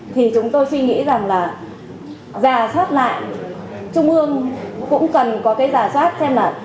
thì chúng tôi suy nghĩ rằng là giả soát lại trung ương cũng cần có cái giả soát xem là